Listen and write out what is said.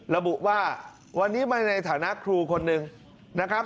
ระบุว่าวันนี้มาในฐานะครูคนหนึ่งนะครับ